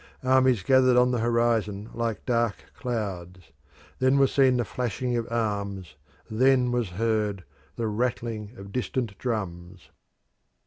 Armies gathered on the horizon like dark clouds; then was seen the flashing of arms; then was heard the rattling of distant drums.